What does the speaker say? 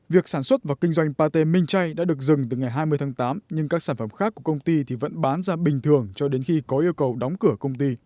việc sản xuất và kinh doanh pate minh chay đã được dừng từ ngày hai mươi tháng tám nhưng các sản phẩm khác của công ty thì vẫn bán ra bình thường cho đến khi có yêu cầu đóng cửa công ty